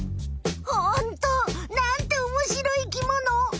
ホント！なんておもしろい生きもの。